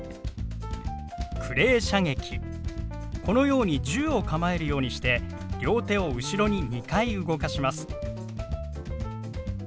このように銃を構えるようにして両手を後ろに２回動かします。